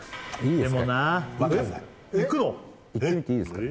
いってみていいですか？